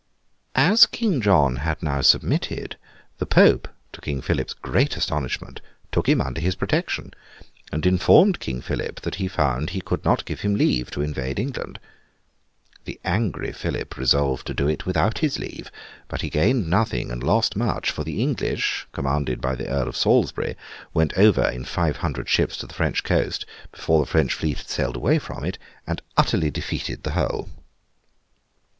As King John had now submitted, the Pope, to King Philip's great astonishment, took him under his protection, and informed King Philip that he found he could not give him leave to invade England. The angry Philip resolved to do it without his leave but he gained nothing and lost much; for, the English, commanded by the Earl of Salisbury, went over, in five hundred ships, to the French coast, before the French fleet had sailed away from it, and utterly defeated the whole.